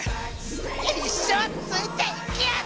一生ついていきやっす！